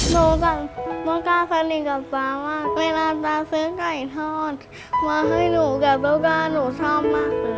หนูแบบบ้าก้าสนิทกับพ่อว่าเวลาตาซื้อกไก่ทอดมาให้หนูกับลูกกาหนูชอบมาก